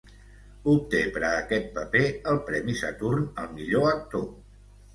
Obté per a aquest paper el Premi Saturn al millor actor.